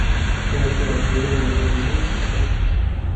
تو کیا وکیل مجرم نہیں ہو سکتا؟